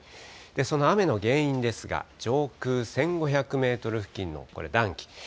その雨の原因ですが、上空１５００メートル付近の暖気。